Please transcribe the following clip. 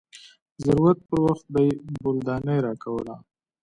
د ضرورت پر وخت به يې بولدانۍ راکوله.